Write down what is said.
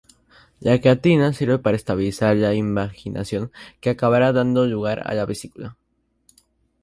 La clatrina sirve para estabilizar la invaginación que acabará dando lugar a la vesícula.